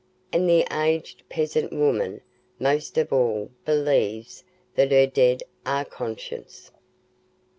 And the aged peasant woman most of all believes that her dead are conscious.